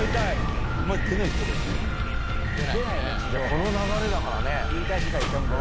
この流れだからね。